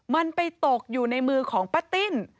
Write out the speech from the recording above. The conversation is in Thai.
มันไปตกอยู่ในมือของป้าติ้น